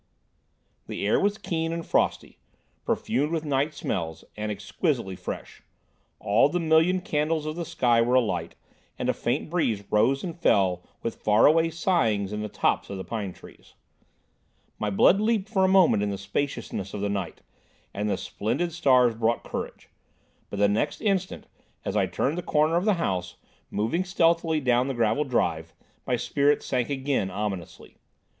The air was keen and frosty, perfumed with night smells, and exquisitely fresh; all the million candles of the sky were alight, and a faint breeze rose and fell with far away sighings in the tops of the pine trees. My blood leaped for a moment in the spaciousness of the night, for the splendid stars brought courage; but the next instant, as I turned the corner of the house, moving stealthily down the gravel drive, my spirits sank again ominously.